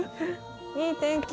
いい天気。